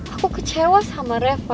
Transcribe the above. aku kecewa sama reva